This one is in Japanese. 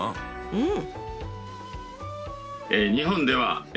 うん。